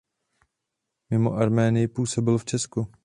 Mimo Arménii působil v Česku.